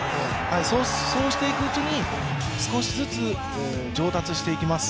そうしていくうちに、少しずつ上達していきます。